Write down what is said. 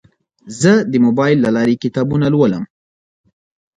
زه د موبایل له لارې کتابونه لولم.